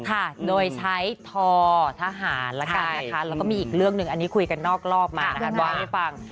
ค่ะโดยใช้ทอทหารแล้วกันนะคะแล้วก็มีอีกเรื่องหนึ่งอันนี้คุยกันนอกรอบมานะคะว่าให้ฟัง